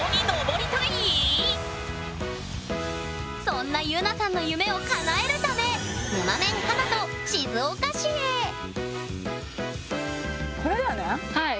そんなゆなさんの夢をかなえるため沼メン華と静岡市へはい！